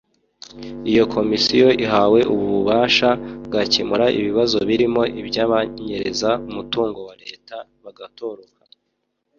Iyi Komisiyo ihawe ubu bubasha byakemura ibibazo birimo iby’abanyereza umutungo wa Leta bagatoroka